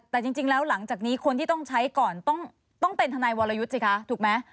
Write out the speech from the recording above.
แต่จริงแล้วหลังจากนี้คนที่ต้องใช้ก่อนต้องเป็นทนายวรยุทธ์สิคะถูกไหม